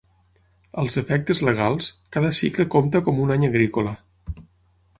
Als efectes legals, cada cicle compta com un any agrícola.